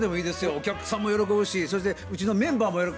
お客さんも喜ぶしそれでうちのメンバーも喜ぶ。